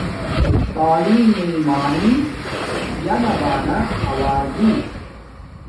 تعیلم میے معنی یانہ بانا اواجی